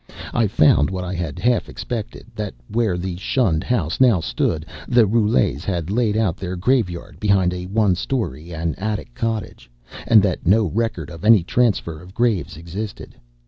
I found what I had half expected, that where the shunned house now stood the Roulets had laid out their graveyard behind a one story and attic cottage, and that no record of any transfer of graves existed.